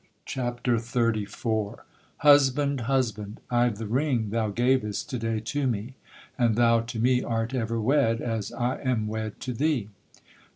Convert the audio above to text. CHAPTER XXXIV Husband, husband, I've the ring Thou gavest to day to me; And thou to me art ever wed, As I am wed to thee!